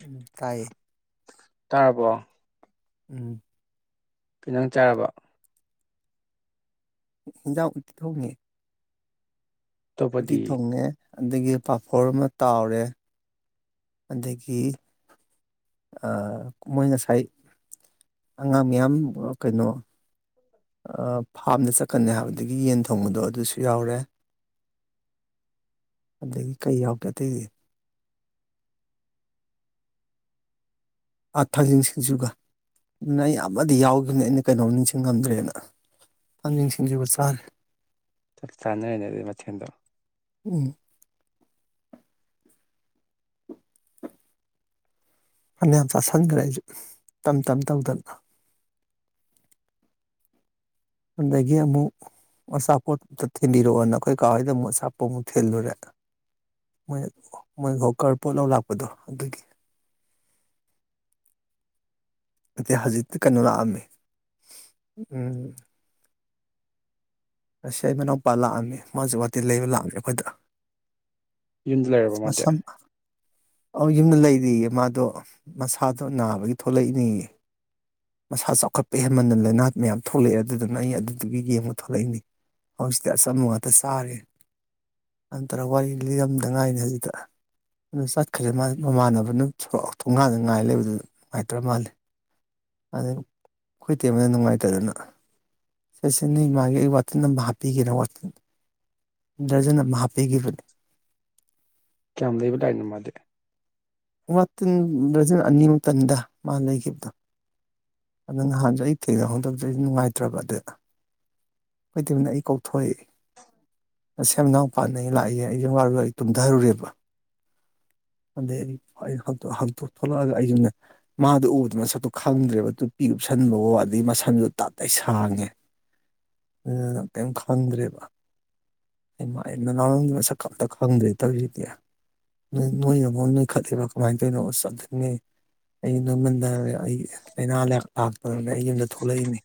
ꯎꯝ ꯇꯥꯏꯌꯦ ꯇꯥꯔꯕꯣ꯫ ꯎꯝ꯫ ꯀꯩ ꯏꯟꯖꯥꯡ ꯆꯥꯔꯕ꯫ ꯍꯤꯟꯖꯥꯡ ꯊꯣꯡꯉꯤ꯫ ꯎꯇꯤ ꯑꯇꯣꯞꯄꯗꯤ ꯊꯣꯡ ꯉꯦ꯫ ꯑꯗꯒꯤ ꯄꯥꯐꯣꯔ ꯑꯃ ꯇꯥꯎꯔꯦ꯫ ꯑꯗꯒꯤ ꯃꯣꯏ ꯉꯁꯥꯏ ꯑꯉꯥꯡ ꯃꯌꯥꯝ ꯀꯩꯅꯣ ꯐꯥꯝꯗ ꯆꯠꯀꯅꯤ ꯍꯥꯏꯕꯗꯒꯤ ꯌꯦꯟ ꯊꯣꯡꯕꯗꯣ ꯑꯗꯨꯁꯨ ꯌꯥꯎꯔꯦ ꯑꯗꯒꯤ ꯀꯩ ꯌꯥꯎꯗꯦ ꯑꯇꯩꯗꯤ꯫ ꯑꯥ ꯊꯥꯡꯖꯤꯡ ꯁꯤꯡꯖꯨꯒ ꯑꯗꯨꯅ ꯑꯩ ꯑꯃꯗꯤ ꯌꯥꯎꯈꯤꯕꯅꯤ ꯑꯩꯅ ꯀꯩꯅꯣꯝ ꯅꯤꯡꯁꯤꯡ ꯉꯝꯗ꯭ꯔꯦꯅ ꯊꯥꯡꯖꯤꯡ ꯁꯤꯡꯁꯤꯒ ꯆꯥꯔꯦ꯫ ꯆꯞ ꯆꯥꯅꯔꯅꯦ ꯑꯗꯨꯗꯤ ꯃꯊꯦꯜꯗꯣ꯫ ꯎꯝ꯫ ꯐꯅꯌꯥꯝ ꯆꯥꯁꯤꯟꯗ꯭ꯔꯦ ꯑꯩꯁꯨ ꯇꯝ ꯇꯞ ꯇꯧꯗꯅ꯫ ꯑꯗꯒꯤ ꯑꯃꯨꯛ ꯑꯆꯥꯄꯣꯠꯇ ꯊꯤꯟꯕꯤꯔꯛꯑꯣꯅ ꯑꯩꯈꯣꯏ ꯀꯥꯎ ꯍꯩꯗ ꯑꯃꯨꯛ ꯑꯆꯥꯄꯣꯠꯃꯨꯛ ꯊꯦꯜꯂꯨꯔꯦ ꯃꯣꯏ ꯃꯣꯏ ꯍꯣꯀꯔ ꯄꯣꯠ ꯂꯧ ꯂꯥꯛꯄꯗꯣ ꯑꯗꯨꯒꯤ꯫ ꯑ ꯍꯧꯖꯤꯛꯇꯤ ꯀꯩꯅꯣ ꯂꯥꯛꯑꯝꯃꯦ ꯎꯝ꯫ ꯑꯁꯤ ꯑꯩ ꯃꯅꯥꯎꯄꯥ ꯂꯥꯛꯑꯝꯃꯤ ꯃꯥꯁꯨ ꯋꯥꯇꯤ ꯂꯩꯕ ꯂꯥꯛꯑꯝꯃꯤ ꯑꯩꯈꯣꯏꯗ꯫ ꯌꯨꯝꯗ ꯂꯩꯔꯕ ꯃꯥꯗꯤ꯫ ꯃꯁꯝ ꯑꯧ ꯌꯨꯝꯗ ꯂꯩꯔꯤꯌꯦ ꯃꯥꯗꯣ ꯃꯁꯥꯗꯣ ꯅꯥꯕꯒꯤ ꯊꯣꯛꯂꯛꯏꯅꯤ ꯃꯁꯥ ꯆꯥꯎꯈꯠꯄ ꯍꯦꯟꯃꯟꯅ ꯂꯥꯏꯅꯥꯠ ꯃꯌꯥꯝ ꯊꯣꯛꯂꯛꯑꯦ ꯑꯗꯨꯗꯨꯅ ꯑꯩ ꯑꯗꯨꯗꯨꯒꯤ ꯌꯦꯡꯕ ꯊꯣꯛꯂꯛꯏꯅꯤ꯫ ꯍꯧꯖꯤꯛꯇꯤ ꯑꯆꯝꯕ ꯉꯥꯛꯇ ꯆꯥꯔꯤꯦ ꯅꯠꯇꯔꯒ ꯋꯥꯔꯤ ꯂꯤꯔꯝꯗ ꯉꯥꯏꯅꯤ ꯍꯧꯖꯤꯛꯇ ꯑꯗꯨ ꯆꯠꯈ꯭ꯔꯦ ꯃꯥ ꯃꯃꯥꯟꯅꯕꯅ ꯊꯣꯡꯒꯥꯟꯅ ꯉꯥꯏ ꯂꯩꯕꯗꯨ ꯅꯨꯡꯉꯥꯏꯇ꯭ꯔ ꯃꯥꯜꯂꯤ꯫ ꯑꯗꯨ ꯈꯣꯏ ꯇꯦꯝꯕꯅ ꯅꯨꯡꯉꯥꯏꯇꯗꯅ ꯁꯤꯦ ꯁꯤꯦꯅꯤ ꯃꯥꯒꯤ ꯑꯩ ꯋꯥꯇꯟ ꯑꯃ ꯍꯥꯞꯄꯤꯒꯔ ꯋꯥꯇꯤꯟ ꯗꯔꯖꯟ ꯑꯃ ꯍꯥꯞꯄꯤꯈꯤꯕꯅꯤ꯫ ꯀꯌꯥꯝ ꯂꯩꯕ ꯂꯥꯏꯅꯣ ꯃꯥꯗꯤ꯫ ꯋꯥꯇꯤꯟ ꯔꯖꯟ ꯑꯅꯤꯃꯟꯗ ꯃꯥ ꯂꯩꯈꯤꯕꯗꯣ꯫ ꯑꯗꯨꯗꯣ ꯅꯍꯥꯟꯁꯨ ꯑꯩ ꯊꯦꯡꯅꯍꯧꯗꯕꯗ ꯑꯩꯁꯨ ꯅꯨꯡꯉꯥꯏꯇ꯭ꯔꯕ ꯑꯗꯨ꯫ ꯀꯩꯇꯕꯅ ꯑꯩ ꯀꯧꯊꯣꯛꯏ ꯑ ꯁꯦꯝꯗꯥꯎ ꯄꯥꯅ ꯑꯩ ꯂꯥꯛꯏꯌꯦ ꯑꯩꯁꯨ ꯋꯥꯔꯒ ꯑꯩ ꯇꯨꯝꯊꯔꯨꯔꯦꯕ ꯑꯗꯩ ꯑꯩ ꯍꯥꯡꯇꯣꯛ ꯊꯣꯛꯂꯛꯑꯒ ꯑꯩꯁꯨꯅ ꯃꯥꯗꯣ ꯎꯕꯗ ꯃꯁꯛꯇꯣ ꯈꯪꯗ꯭ꯔꯦꯕ ꯇꯨꯄꯤ ꯎꯨꯞꯁꯟꯕꯐꯣ ꯑꯗꯩ ꯃꯁꯟꯗꯣ ꯇꯥ ꯇꯩ ꯁꯥꯡꯉꯦ꯫ ꯑꯗꯨꯅ ꯀꯥꯔꯤꯝ ꯈꯪꯗ꯭ꯔꯦꯕ ꯑꯩꯃꯅ ꯂꯥꯎꯔꯝꯗꯦ ꯃꯁꯛ ꯑꯇ ꯈꯪꯗ꯭ꯔꯦ ꯇꯧꯔꯤꯗꯤ ꯅꯣꯏꯅꯐ ꯅꯣꯏꯈꯠꯂꯤꯦꯕ ꯀꯃꯥꯏꯅ ꯇꯧꯔꯤꯅꯣꯁ ꯑꯗꯨꯅꯦ ꯑꯩ ꯅꯣꯏꯃꯗ꯫ ꯑꯩꯒꯤ ꯂꯥꯏꯅꯥ ꯂꯥꯏ ꯂꯥꯛꯇꯗꯅ ꯑꯩ ꯌꯨꯝꯗ ꯊꯣꯛꯂꯛꯏꯅꯤ꯫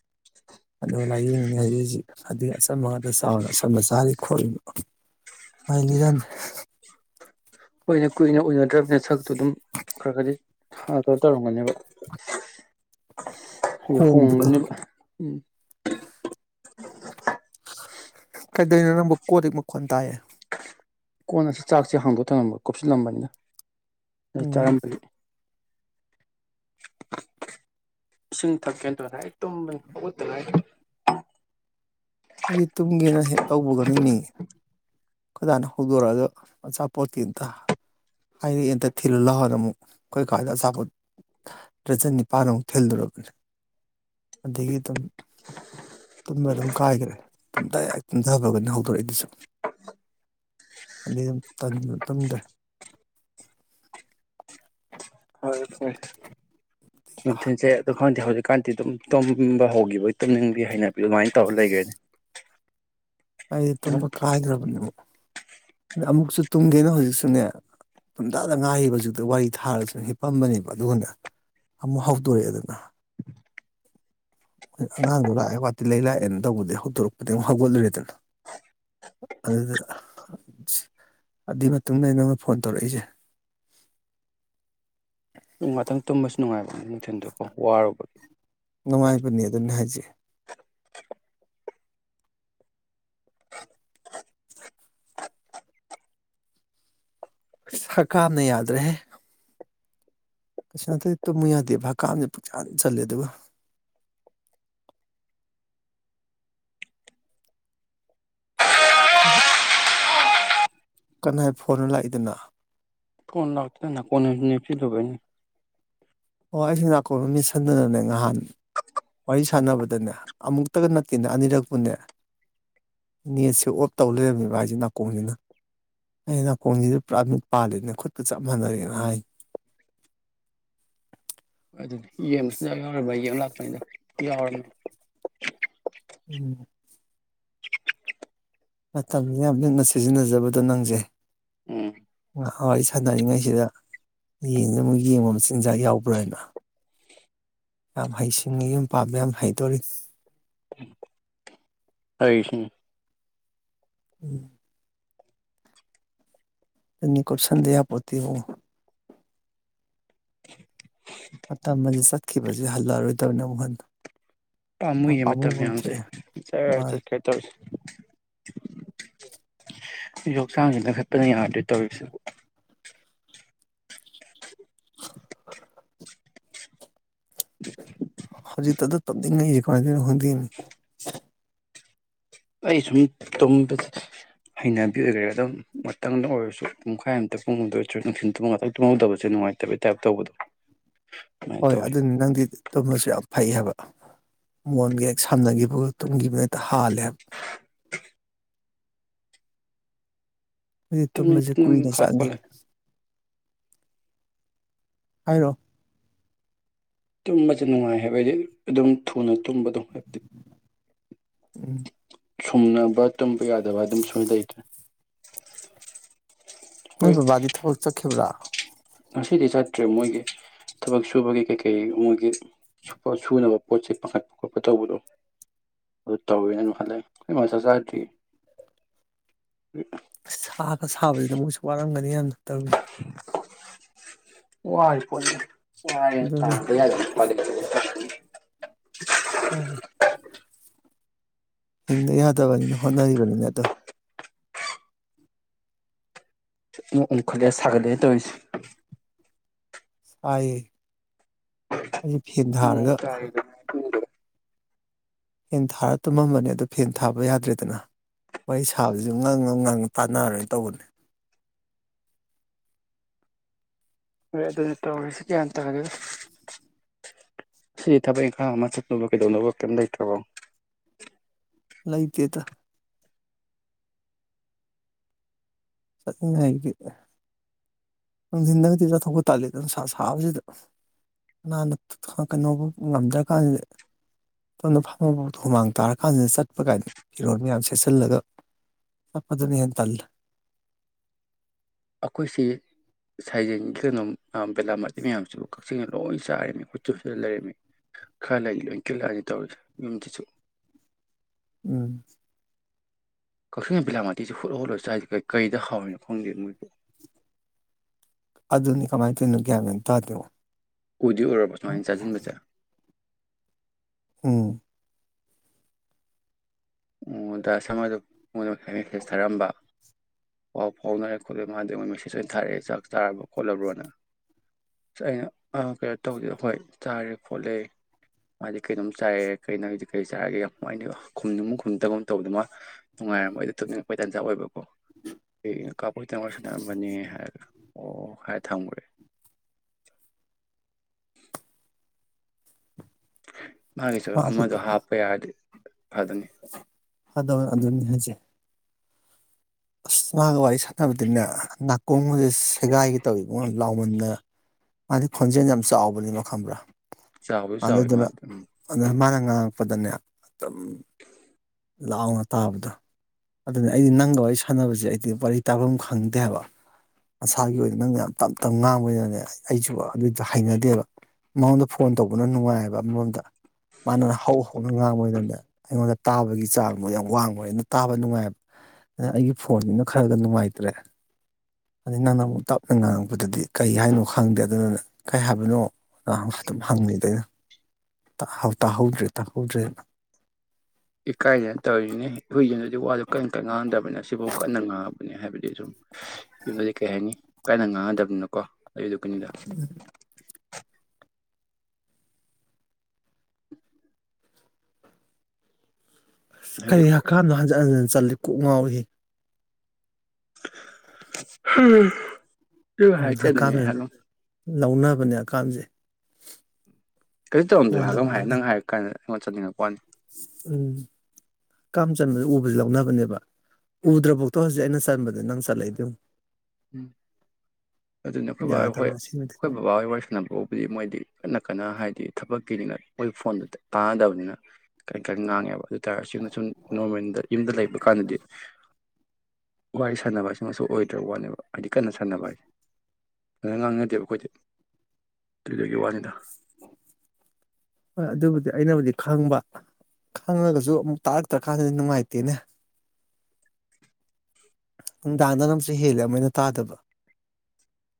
ꯑꯗꯨꯂ ꯌꯦ ꯍꯥꯏꯖꯤꯛ ꯍꯧꯖꯤꯛ ꯑꯗꯨꯗꯒꯤ ꯑꯆꯝꯝꯕ ꯉꯥꯛꯇ ꯆꯥꯎꯅ ꯑꯆꯝꯝꯕ ꯆꯥꯔꯤ ꯈꯣꯠꯂꯤꯕ ꯃꯥꯏ ꯂꯤꯔꯝꯃꯦ ꯀꯏꯅ ꯀꯨꯏꯅ ꯎꯏꯅꯗ꯭ꯔꯕꯅꯤꯅ ꯁꯛ ꯇ ꯑꯗꯨꯝ ꯈꯔ ꯈꯔꯗꯤ ꯑ ꯑꯗꯨ ꯇꯧꯔꯝꯒꯅꯦꯕ ꯑꯩ ꯍꯣꯡꯕꯗꯣ ꯍꯣꯡꯒꯅꯦꯕ ꯎꯝ ꯀꯩꯗꯧꯅꯣ ꯅꯪꯕꯨ ꯀꯣꯛ ꯂꯤꯛ ꯃꯈꯣꯟ ꯇꯥꯏꯌꯦ ꯀꯣꯟꯅꯁꯨ ꯆꯥꯛꯁꯦ ꯍꯥꯡꯗꯣꯛ ꯑꯒꯥ ꯊꯝꯃꯥꯝꯕ ꯀꯨꯞꯁꯤꯜꯂꯝꯕꯅꯤꯅ ꯑꯩ ꯎꯝ ꯇꯔꯝꯕꯤ ꯏꯁꯤꯡ ꯊꯛꯀꯦꯗꯅ ꯑꯩ ꯇꯨꯝꯕꯅꯤ ꯍꯧꯒꯠꯇꯅꯥꯏꯔꯤ ꯑꯩꯗꯤ ꯇꯨꯝꯒꯦꯅ ꯍꯦꯛ ꯇꯧꯕꯒꯅꯤꯅꯦ ꯀꯣꯏꯗꯥꯅ ꯍꯧꯗꯣꯔꯛꯑꯒ ꯑꯆꯥꯄꯣꯠꯇ ꯑꯝꯇ ꯍꯥꯏꯔꯛꯝꯇ ꯊꯤꯜꯂ ꯂꯥꯛꯑꯣꯅ ꯑꯃꯨꯛ ꯀꯈꯣꯏ ꯀꯥꯗ ꯑꯆꯥꯄꯣꯠ ꯗ꯭ꯔꯖꯟ ꯅꯤꯄꯥꯟ ꯑꯃꯨꯛ ꯊꯤꯜꯂꯣꯔꯒꯅꯤ ꯑꯗꯒꯤ ꯑꯗꯨꯝ ꯇꯨꯝꯕ ꯑꯗꯨꯝ ꯀꯥꯏꯈ꯭ꯔꯦ ꯇꯨꯝꯊ ꯇꯨꯝꯊꯕꯒꯅꯤ ꯍꯧꯗꯣꯔꯛꯏꯗꯨꯁꯨ ꯑꯗꯨ ꯑꯗꯨꯝ ꯇꯨꯝꯗ꯭ꯔꯦ ꯍꯣꯏ ꯍꯣꯏ [unintelligible] ꯑꯗꯨ ꯈꯪꯗꯦ ꯍꯩꯖꯤꯛ ꯀꯥꯟꯇꯤ ꯑꯗꯨꯝ ꯇꯨꯝꯝꯕ ꯍꯧꯈꯤꯕꯒꯤ ꯇꯨꯝꯝꯅꯤꯡꯕꯒꯤ ꯍꯥꯏꯅꯕꯤ ꯑꯗꯨꯃꯥꯏꯅ ꯇꯧꯔ ꯂꯩꯒꯦꯅꯦ ꯑꯩꯗꯤ ꯇꯝꯕ ꯀꯥꯏꯗ꯭ꯔꯕꯅꯤ ꯑ ꯑꯃꯨꯛꯁꯨ ꯇꯨꯝꯒꯦꯅ ꯍꯧꯖꯤꯛꯁꯨꯅꯦ ꯇꯨꯝꯖꯥꯗ ꯉꯥꯏꯔꯤꯕ ꯍꯧꯖꯤꯛꯇ ꯋꯥꯔꯤ ꯊꯥꯔꯁꯨ ꯍꯤꯞꯄꯝꯕꯅꯦꯕ ꯑꯗꯨꯒꯅ ꯑꯃꯨꯛ ꯍꯧꯗꯣꯔꯛꯑꯦ ꯑꯗꯨꯅ ꯑꯉꯥꯡꯗꯣ ꯂꯥꯛꯑꯦ ꯋꯥꯇꯤ ꯂꯩ ꯂꯥꯛꯑꯦꯅ ꯇꯧꯕꯗꯒꯤ ꯍꯧꯗꯣꯔꯛꯄꯗꯒꯤ ꯑꯃꯨꯛ ꯍꯧꯒꯠꯂꯨꯔꯦꯗꯅ ꯑꯗꯨꯗ ꯑꯗꯨꯏ ꯃꯇꯨꯡꯗ ꯑꯩ ꯅꯪꯉꯣꯟꯗ ꯐꯣꯟ ꯇꯧꯔꯛꯏꯁꯦ ꯉꯛꯇꯪ ꯇꯨꯝꯕꯁꯨ ꯅꯨꯡꯉꯥꯏꯕ ꯅꯨꯡꯊꯤꯟꯗꯨꯀꯣ ꯋꯥꯔꯨꯕꯒꯤ ꯅꯨꯡꯉꯥꯏꯕꯅꯦ ꯑꯗꯨꯅꯦ ꯍꯥꯏꯁꯦ ꯍ ꯀꯥꯝꯅ ꯌꯥꯗ ꯔꯦ ꯍꯦ ꯀꯩꯁꯁꯨꯇꯩ ꯇꯨꯝꯃꯨ ꯌꯥꯗꯦ ꯚꯥꯀꯥꯝꯁ ꯄꯨꯛꯆꯥꯥꯅ ꯆꯜꯂꯦ ꯑꯗꯨꯒ ꯀꯅꯥꯏ ꯐꯣꯟꯅ ꯂꯥꯛꯏꯗꯨꯅ ꯀꯣꯟ ꯂꯥꯛꯇꯅ ꯀ ꯅꯞꯆꯗꯕꯣꯏꯅꯤ ꯑꯣ ꯑꯩꯁꯦ ꯅꯥꯀꯣꯡ ꯑꯃ ꯃꯤꯠꯁꯟꯗꯅꯅꯦ ꯅꯍꯥꯟ ꯋꯥꯔꯤ ꯁꯥꯟꯅꯕꯗꯅꯦ ꯑꯃꯨꯛꯇꯒ ꯅꯠꯇꯦꯅꯦ ꯑꯅꯤꯔꯛꯄꯨꯅꯦ ꯅꯦꯠꯁꯦ ꯑꯣꯐ ꯇꯧ ꯂꯩꯔꯝꯃꯤꯕ ꯍꯥꯏꯁꯦ ꯅꯥꯀꯣꯡꯅꯤꯅ ꯑꯩ ꯅꯥꯀꯣꯡꯁꯤꯗꯤ ꯄꯨꯔꯥ ꯃꯤꯠ ꯄꯥꯜꯂꯤꯅꯦ ꯈꯨꯠꯇ ꯆꯞ ꯃꯥꯟꯅꯔꯦꯅ ꯍꯥꯏ ꯑꯗꯨꯅꯤ ꯌꯦꯡꯁꯨꯡꯌꯥꯎ ꯌꯥꯎꯔꯤꯕ ꯌꯤꯡꯂꯥꯎ ꯔ [unintelligible] ꯎꯝ ꯃꯇꯝꯁ ꯌꯥꯝ ꯂꯤꯛꯅ ꯁꯤꯖꯤꯟꯅꯖꯕꯗꯣ ꯅꯪꯁꯦ ꯎꯝ ꯋꯥꯔꯤ ꯁꯥꯟꯅꯔꯤꯉꯩꯁꯤꯗ ꯌꯦꯟꯁꯤ ꯑꯃꯨꯛ ꯌꯦꯡꯕ ꯃꯆꯤꯟꯖꯥꯛ ꯌꯥꯎꯕ꯭ꯔꯥ ꯍꯥꯏꯅ ꯌꯥꯝ ꯍꯩꯁꯤꯡꯉꯤ ꯌꯨꯝ ꯄꯥꯝꯕ ꯌꯥꯝ ꯍꯩꯇꯣꯔꯤ ꯍꯣꯏꯁ ꯎꯝ ꯑꯅꯤ ꯀꯨꯞꯁꯟꯗꯥ ꯌꯥꯄꯠꯇ ꯑꯣ ꯁ ꯍꯜꯂꯛꯑꯔꯣꯏꯗꯕꯅꯤꯅ ꯑꯃꯨꯛ ꯍꯟꯗ ꯄꯥꯝꯃꯨꯏꯅꯦ ꯃꯇꯝ ꯃꯌꯥꯝꯁꯦ ꯆꯠ ꯃꯥꯅꯤ ꯆꯠ ꯀꯩ ꯇꯧꯔꯁꯦ ꯌꯣꯡꯆꯥꯡꯁꯦ ꯅꯪꯈꯠꯄꯅ ꯌꯥꯗꯣꯏ ꯇꯧꯔꯤꯕꯁꯤꯦꯕꯨ [inaudible] [unintelligible] [unintelligible] ꯍꯧꯖꯤꯛ ꯇꯗ ꯇꯗꯤꯅ ꯀꯗꯅ ꯍꯗꯤꯅꯤ ꯑꯩ ꯁꯨꯝ ꯇꯨꯝꯕ ꯍꯩꯅꯕꯤ ꯑꯣꯏꯈꯔꯦ ꯑꯗꯨꯝ ꯉꯥꯛꯇꯪꯗ ꯑꯣꯏꯔꯁꯨ ꯄꯨꯡꯈꯥꯏ ꯑꯃꯝꯇ ꯄꯨꯡꯍꯧꯗ ꯑꯣꯏꯔꯁꯨ ꯅꯨꯡꯊꯤꯟ ꯇꯨꯝ ꯉꯥꯛꯇꯪ ꯇꯨꯝꯍꯧꯗꯕꯁꯦ ꯅꯨꯡꯉꯥꯏꯇꯕꯒꯤ ꯇꯥꯏꯞ ꯇꯧꯕꯗꯣ ꯑꯗꯨꯃꯥꯏꯅ ꯍꯣꯏ ꯇꯧꯋꯤ ꯑꯗꯨꯅꯤ ꯅꯪꯗꯤ ꯇꯨꯝꯝꯕꯁꯨ ꯌꯥꯝ ꯐꯩ ꯍꯥꯏꯕ ꯃꯣꯟꯒꯤ ꯍꯦꯛ ꯁꯝꯅꯈꯤꯕ ꯇꯨꯝꯈꯤꯕꯅꯦꯠꯇ ꯍꯥꯜꯂꯦꯕ ꯑꯩꯇ ꯇꯨꯝꯅꯤꯡ ꯃꯁꯦ ꯇꯨꯝꯅꯤꯡ ꯀꯏꯅ ꯆꯥꯡꯒꯦ ꯍꯥꯞꯄꯂꯦ ꯍꯥꯏꯔꯣ ꯇꯨꯝꯕꯁꯦ ꯅꯨꯡꯉꯥꯏ ꯍꯥꯏꯕ ꯍꯥꯏꯗꯤ ꯑꯗꯨꯝ ꯊꯨꯅ ꯇꯨꯝꯕ ꯑꯗꯨꯝ ꯎꯝ ꯁꯨꯝꯅꯕ ꯇꯨꯝ ꯌꯥꯗꯕ ꯑꯗꯨꯝ ꯁꯣꯏꯅ ꯂꯩꯇ꯭ꯔꯦ [unintelligible] ꯅ ꯍꯣꯏ ꯕꯥꯗꯤ ꯊ ꯍ ꯎꯆ ꯆ ꯈꯦꯕ꯭ꯔꯥ ꯉꯁꯤꯗꯤ ꯆꯠꯇ꯭ꯔꯦ ꯃꯣꯏꯒꯤ ꯊꯕꯛ ꯁꯨꯕꯒꯤ ꯀꯩꯀꯩ ꯃꯣꯏꯒꯤ ꯁꯨꯅꯕ ꯄꯣꯠ ꯆꯩ ꯄꯥꯈꯠꯄ ꯈꯣꯠꯄ ꯇꯧꯕꯗꯣ ꯑꯗꯨ ꯇꯧꯋꯦꯅ ꯑꯗꯨꯝ ꯈꯜꯂꯦ ꯑꯩꯈꯣꯏ ꯃꯆꯥ ꯆꯗ꯭ꯔꯤ ꯁꯥꯒ ꯁꯥꯕꯁꯤꯗ ꯃꯣꯏꯁꯨ ꯋꯥꯔꯝꯒꯅꯤ ꯇꯧ ꯋꯥꯥꯏ ꯄꯅꯤ ꯑꯗꯨꯅꯤ ꯌꯥ ꯍ ꯍꯪꯗ ꯌꯥꯗꯕꯅꯤꯅ ꯍꯣꯠꯅꯔꯤꯕꯅꯤꯅ ꯑꯗꯣ ꯑꯣꯈꯗ ꯁꯒꯗ ꯇꯧꯔꯤꯁꯤ ꯁꯥꯏ ꯑꯩꯁ ꯐꯤ ꯊꯥꯔꯒ ꯅꯣꯡ ꯇꯥꯏꯗꯅ ꯐꯦꯟ ꯊꯥꯔ ꯇꯨꯝꯃꯝꯕꯅꯦ ꯑꯗꯨ ꯐꯦꯟ ꯊꯥꯕ ꯌꯥꯗ꯭ꯔꯦꯗꯅ ꯋꯥꯔꯤꯍꯩ ꯁꯥꯕꯁꯨ ꯉꯪꯉ ꯉꯪ ꯇꯥꯟꯅꯔꯣꯏꯅ ꯇꯧꯕꯅꯦ ꯍꯣꯏ ꯑꯗꯨꯅ ꯇꯧꯔꯤꯁꯤꯦ ꯒ꯭ꯌꯥꯟ ꯇꯥꯒ ꯁꯤꯗꯤ ꯊꯕꯛ ꯏꯪꯈꯥꯡ ꯑꯃ ꯆꯠꯅꯕ ꯀꯩꯗꯧꯅꯕꯛꯇ ꯂꯩꯇ꯭ꯔꯕꯣ ꯂꯩꯣꯏꯇꯦꯇ ꯉꯥꯏ ꯅꯪꯁꯤꯟꯗꯒꯗꯤ ꯆꯠꯊꯣꯛꯄ ꯇꯥꯜꯂꯤ ꯑꯗꯨꯅꯅꯨꯡꯁꯥ ꯁꯥꯕꯁꯤꯗ ꯑꯅꯥꯅ ꯀꯩꯅꯣꯧꯕ ꯉꯝꯗ꯭ꯔꯀꯥꯟꯁꯤꯗ ꯑꯗꯨꯅ ꯐꯝꯉꯐꯥꯎꯗ ꯍꯨꯃꯥꯡ ꯇꯥꯔ ꯀꯥꯟꯁꯤꯗ ꯆꯠꯄ ꯀꯥꯏꯅ ꯐꯤꯔꯣꯜ ꯃꯌꯥꯝ ꯁꯦꯠꯆꯤꯜꯂꯒ ꯆꯠꯄꯗꯨꯅ ꯍꯦꯟꯅ ꯇꯜꯂꯦ ꯑꯩꯈꯣꯏꯁꯤ ꯁꯩꯖꯦꯡꯒꯤ ꯀꯩꯅꯣꯝ ꯑꯝꯕꯕ ꯂꯝꯂꯝ ꯃꯗꯤ ꯃꯌꯥꯝ ꯑꯃꯁꯁꯤꯁꯨꯕꯨ ꯁꯤꯡꯅ ꯂꯣꯏ ꯆꯥꯔꯝꯃꯤ ꯈꯨꯠꯁꯨ ꯍꯨꯠ ꯂꯩꯔꯝꯃꯤ ꯈꯔ ꯂꯩ ꯂꯣꯏ ꯀꯤꯜꯂꯛꯑꯅꯤ ꯇꯧꯔꯤꯁ ꯌꯨꯝꯁꯤꯁꯨ ꯎꯝ ꯀꯛꯆꯤꯡꯒꯤ ꯕꯤꯂꯥꯃꯥꯇꯤꯁꯤꯦ ꯍꯨꯠꯂꯣ ꯍꯨꯠꯂ ꯆꯥꯏꯁꯤꯦ ꯀꯩꯗ ꯍꯥꯎꯔꯤꯦꯅꯣ ꯈꯪꯗꯦ ꯃꯣꯏꯕꯨꯣ ꯑꯗꯨꯅꯤ ꯀꯃꯥꯏꯅ ꯊꯅꯣ ꯀꯌꯥꯦꯟ ꯇ ꯑꯗꯨꯣ ꯎꯗꯤ ꯑꯣꯏꯔꯕ ꯁꯨꯃꯥꯏꯅ ꯆꯥꯁꯤꯟꯕꯁꯦ ꯎꯝ ꯗ ꯁꯃꯗ ꯃꯗ ꯃꯦꯁꯦꯖ ꯊꯥꯔꯝꯕ ꯄꯥꯎ ꯐꯥꯎꯅꯔꯦ ꯈꯣꯠꯂꯦ ꯃꯥꯗꯤ ꯃꯣꯏ ꯃꯦꯁꯦꯖ ꯑꯣꯏꯅ ꯊꯥꯔꯛꯑꯦ ꯆꯥꯛ ꯆꯥꯔꯕꯣ ꯈꯣꯠꯂꯕ꯭ꯔꯣꯅ ꯑ ꯑꯩꯅ ꯀꯩꯅꯣ ꯇꯧꯗꯦꯗ ꯍꯣꯏ ꯆꯥꯔꯦ ꯈꯣꯠꯂꯦ ꯃꯥꯗꯤ ꯀꯩꯅꯣꯝ ꯆꯥꯏꯔꯦ ꯀꯩꯅꯣꯗꯤ ꯀꯩ ꯆꯥꯔꯒꯦ ꯌꯥꯝꯃꯥꯏ ꯈꯨꯝ ꯐꯟꯇꯒꯨꯝ ꯇꯧꯕꯗꯨꯃ ꯅꯨꯡꯉꯥꯏꯔꯝꯃꯣꯏꯗꯣ ꯇꯨꯞꯅꯤꯡꯉꯛꯄꯣꯏ ꯇꯟꯖꯥ ꯑꯣꯏꯕ ꯀꯥꯕꯨꯨꯒꯤ ꯇꯉ ꯁꯅꯔꯝꯕꯅꯤ ꯍꯥꯏꯔꯒ ꯑꯣ ꯍꯥꯏ ꯊꯝꯒ꯭ꯔꯦ [inaudible] ꯃꯥꯒꯤꯁꯨ ꯃꯥꯁꯨ ꯑꯃꯗꯣ ꯍꯥꯞꯄ ꯌꯥꯔꯗꯤ ꯐꯗꯝꯅꯤ ꯑꯗꯨꯅꯤ ꯍꯥꯏꯁꯦ ꯑꯁ ꯃꯥꯒ ꯋꯥꯔꯤ ꯁꯥꯟꯅꯕꯗꯤꯅꯦ ꯅꯥꯀꯣꯡꯒꯁꯦ ꯁꯦꯒꯥꯏꯒꯤ ꯇꯧꯉꫭ ꯂꯥꯎꯃꯟꯗꯅ ꯃꯥꯗꯤ ꯈꯣꯟꯖꯦꯟ ꯌꯥꯝ ꯆꯥꯎꯕꯅꯤ ꯈꯪꯕ꯭ꯔꯥ ꯆꯥꯎꯕꯁꯨ ꯆꯥꯎꯋꯤ ꯑꯗꯗꯨꯅ ꯃꯥꯗꯣ ꯎꯝ ꯑꯅ ꯃꯥꯅ ꯉꯥꯡꯉꯛꯄꯗꯅꯦ ꯑꯗꯨꯝ ꯂꯥꯎꯅ ꯇꯥꯕꯗꯣ ꯑꯗꯨꯅ ꯑꯩꯗꯤ ꯅꯪꯒ ꯋꯥꯔꯤ ꯁꯥꯟꯅꯕꯁꯦ ꯑꯩꯗꯤ ꯋꯥꯔꯤ ꯇꯥꯕꯝ ꯈꯪꯗꯦꯍꯕ ꯃꯁꯥꯒꯤ ꯑꯣꯏꯅ ꯅꯪꯅ ꯌꯥꯝ ꯇꯞ ꯇꯞ ꯉꯥꯡꯕꯅꯤꯅꯅꯦ ꯑꯩꯁꯨ ꯑꯗꯨꯗꫭ ꯍꯩꯅꯗꯦꯕ ꯃꯉꯣꯟꯗ ꯐꯣꯟ ꯇꯧꯕꯅ ꯅꯨꯡꯉꯥꯏꯌꯦꯕ ꯑꯃꯔꯣꯝꯗ ꯃꯥꯅ ꯍꯧ ꯍꯧꯅ ꯉꯥꯡꯕꯣꯏꯗꯕꯅꯦ ꯑꯩꯉꯣꯟꯗ ꯇꯥꯕꯒꯤ ꯆꯥꯡꯗꯣ ꯌꯥꯝ ꯋꯥꯡꯕꯅꯤꯅ ꯇꯥꯕ ꯅꯨꯡꯉꯥꯏꯕ ꯑꯗꯨꯅ ꯑꯩꯒꯤ ꯐꯣꯟꯁꯤꯅ ꯈꯔꯒ ꯅꯨꯡꯉꯥꯏꯇ꯭ꯔꯦ ꯑꯗꯩ ꯅꯪꯅ ꯑꯃꯨꯛ ꯇꯞꯅ ꯉꯥꯡꯉꯛꯄꯗꯗꯤ ꯀꯩ ꯍꯥꯏꯅꯣ ꯈꯪꯗꯦ ꯑꯗꯨꯗꯨꯅ ꯀꯩ ꯍꯥꯏꯕꯅꯣ ꯑꯗꯨꯝ ꯍꯪꯂꯩꯗꫭ ꯑꯩꯅ ꯇꯥꯍꯧ ꯇꯥꯍꯧꯗ꯭ꯔꯦ ꯇꯥꯍꯧꯗ꯭ꯔꯦꯅ ꯏꯀꯥꯏꯗꯅ ꯇꯧꯔꯤꯅꯤ [unintelligible] ꯋꯥꯁꯨ ꯀꯟ ꯀꯟ ꯉꯥꯡꯗꯕꯅꯤꯅ ꯁꯤꯕꯥꯎ ꯀꯟꯅ ꯉꯥꯡꯕ ꯍꯥꯏꯕꯗꯤ ꯁꯨꯝ ꯌꯨꯝꯗꯗꯤ ꯀꯩ ꯍꯥꯏꯅꯤ ꯀꯟꯅ ꯉꯥꯡꯉꯅꯗꯕꯅꯤꯅꯀꯣ ꯑꯗꯨꯗꯨ ꯒꯤꯅꯤꯗ ꯑꯁ ꯍꯥꯏꯗꯤ ꯀꯩ ꯍꯀꯥꯝꯅꫭ ꯍꯟꯖꯟ ꯍꯟꯖꯟ ꯆꯜꯂꯤ ꯀꯣꯛ ꯉꯥꯎꯋꯤꯍꯦ [unintelligible] ꯎꯝ ꯍꯛꯀꯥꯝꯁꯦ [unintelligible] ꯂꯧꯅꯕꯅꯦ ꯍꯀꯥꯝꯁꯦ ꯀꯔꯤ ꯇꯧꯔꯝꯗꯣꯏ [unintelligible] ꯅꯪ ꯍꯥꯏ ꯀꯥꯏꯅ [unintelligible] ꯆꯟꯅꯤꯡꯉꯛꯄꯅꯤ ꯎꯝ ꯍꯀꯥꯝ ꯆꯟꯕ ꯎꯕꯁꯦ ꯂꯧꯅꯕꯅꯦꯕ ꯎꯗ꯭ꯔꯐꯥꯎꯗ ꯍꯧꯖꯤꯛ ꯑꯩꯅ ꯆꯟꯕꯗ ꯅꯪ ꯆꯠꯂꯛꯏꯗꯨ ꯌꯦꯡꯉꯨ ꯎꯝ ꯑꯗꯨꯅꯦ ꯑꯩꯈꯣꯏꯕꯍꯣꯏ ꯌꯥꯗꯕꯅꯦ ꯁꯤꯃꯗꯤ ꯑꯩꯈꯣꯏ ꯕꯕꯥ ꯍꯣꯏ ꯋꯥꯔꯤ ꯁꯥꯟꯅꯕꯕꯨꯗꯤ ꯃꯣꯏꯗꯤ ꯀꯟꯅ ꯀꯟꯅ ꯍꯥꯏꯗꯤ ꯊꯕꯛ ꯀꯤꯅꯤꯅ ꯃꫭꯏ ꯐꯣꯟꯗꯨ ꯇꯥꯟꯅꯗꯕꯅꯤꯅ ꯀꯟꯅ ꯀꯟꯅ ꯉꯥꯡꯉꯦꯕ ꯑꯗꯨ [unintelligible] ꯁꯨꯝ ꯅꯣꫪꯃꯦꯜꯗ ꯌꯨꯝꯗ ꯂꯩꯕ ꯀꯥꯟꯗꯗꯤ ꯋꯥꯔꯤ ꯁꯥꯟꯅꯕꯁꯤꯃꯁꯨ ꯑꯣꯏꯗ꯭ꯔꯕ ꯋꯥꯅꯦꯕ ꯍꯥꯏꯗꯤ ꯀꯟꯅ ꯁꯥꯟꯅꯕ ꯍꯥꯏꯁꯦ ꯀꯟꯅ ꯉꯥꯡꯅꯗꯦꯕ ꯑꯩꯈꯣꯏꯗꯤ ꯑꯗꯨꯗꯨꯒꯤ ꯋꯥꯅꯤ ꯍꫭꯏ ꯑꯗꯨꯕꯨꯗꯤ ꯑꯩꯅꯕꯨꯗꯤ ꯈꯪꯕ ꯈꯪꯉꯒꯁꯨ ꯑꯃꯨꯛ ꯇꯥꯔꯛꯇ꯭ꯔꯀꯥꯟꯗꯗꯤ ꯅꯨꯡꯉꯥꯏꯇꯦꯅꯦ ꯅꯨꯡꯗꯥꯡꯗꯅꯃꯨꯛꯁꯨ ꯍꯦꯜꯂꯦ ꯑꯃꯨꯛꯍꯦꯟꯅ ꯇꯥꯗꯕ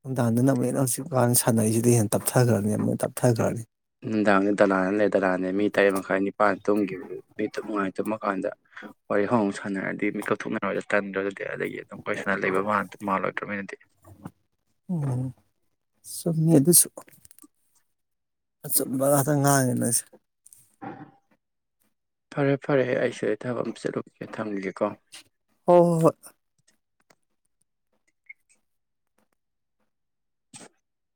ꯅꯨꯡꯗꯥꯡꯗꯅ ꯑꯃꯨꯛꯍꯦꯅ ꯍꯧꯖꯤꯛ ꯕꯥꯅꯤ ꯁꯥꯟꯅꯩꯁꯤꯗꯩ ꯍꯦꯟꯅ ꯇꯞꯊꯈ꯭ꯔꯅꯤ ꯑꯃꯨꯛꯍꯦꯟꯅ ꯇꯞꯊꯈ꯭ꯔꯅꯤ ꯅꯨꯡꯗꯥꯡꯗ ꯗꯂꯥꯟ ꯂꯩ ꯗꯂꯥꯟꯅꯦ ꯃꯤ ꯇꯔꯦꯠ ꯃꯈꯥꯏ ꯅꯤꯄꯥꯟ ꯇꯨꯝꯈꯤꯕ ꯃꯤ ꯇꯨꯛ ꯅꯨꯡꯉꯥꯏ ꯇꯨꯝꯃ ꯀꯥꯟꯗ ꯋꯥꯔꯤ ꯍꯧ ꯁꯥꯟꯅꯔꯗꯤ ꯃꯤꯠꯀꯞꯊꯅꯔꯗꯤ ꯇꯟꯗ꯭ꯔ ꯑꯗꯨꯗꯤ ꯑꯗꯒꯤ ꯑꯗꯨꯝ ꯋꯥꯔꯤꯁꯅ ꯂꯩꯕ ꯃꯥꯜꯂꯣꯏꯗ꯭ꯔ ꯃꯤꯅꯗꯤ ꯑꯣ ꯆꯨꯝꯃꯤ ꯑꯗꯨꯁꯨ ꯑꯆꯨꯝꯕ ꯉꯥꯇ ꯉꯥꯡꯉꯤꯅ [unintelligible] ꯐꯔꯦ ꯐꯔꯦ ꯑꯩꯁ ꯁꯤꯗ ꯊꯥꯕꯛ ꯑꯃ ꯆꯠꯂꯨꯒꯤꯒꯦ ꯊꯝꯒꯦꯀꯣ ꯍꯣꯏ ꯍꯣꯏ ꯍꯣꯏ [inaudible]